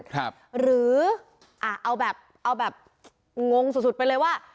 หรือเอาแบบงงสุดไปเลยว่า